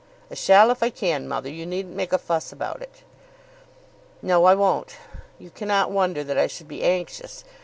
"I shall if I can, mother; you needn't make a fuss about it." "No, I won't. You cannot wonder that I should be anxious.